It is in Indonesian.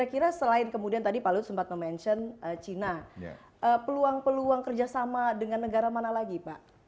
karena selain kemudian tadi pak luhut sempat mention china peluang peluang kerjasama dengan negara mana lagi pak